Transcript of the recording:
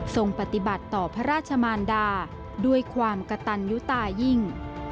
ปฏิบัติต่อพระราชมารดาด้วยความกระตันยุตายิ่ง